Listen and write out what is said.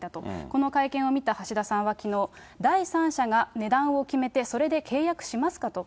この会見を見た橋田さんはきのう、第三者が値段を決めて、それで契約しますかと。